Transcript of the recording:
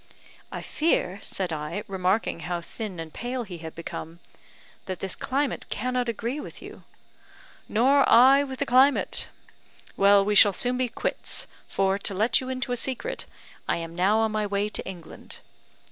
"I fear," said I, remarking how thin and pale he had become, "that this climate cannot agree with you." "Nor I with the climate. Well, we shall soon be quits, for, to let you into a secret, I am now on my way to England."